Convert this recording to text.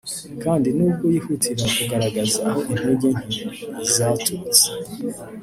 kandi nubwo yihutira kugaragaza aho intege nke zaturutse